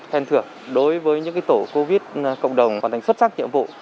khen thưởng đối với những tổ covid cộng đồng hoàn thành xuất sắc nhiệm vụ